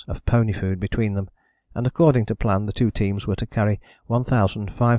of pony food between them, and according to plan the two teams were to carry 1570 lbs.